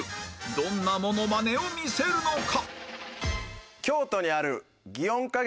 どんなモノマネを見せるのか？